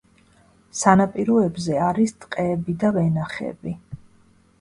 სანაპიროებზე არის ტყეები და ვენახები.